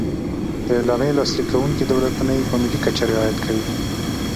د اعلامیې لاسلیک کوونکي دولتونه یې په ملي کچه رعایت کوي.